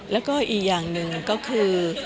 แล้วก็อีกอย่างหนึ่งก็คือ